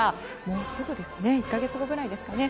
もうすぐ１か月後くらいですかね。